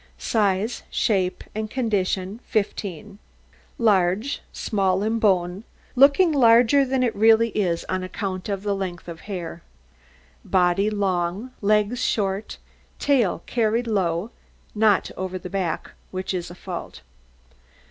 SIZE, SHAPE, AND CONDITION 15 Large, small in bone, looking larger than it really is on account of the length of hair. Body long, legs short, tail carried low not over the back, which is a fault.